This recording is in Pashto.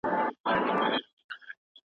هغوی په شدت غوښتونکي ورزشونو کې لږ بریالي کېږي.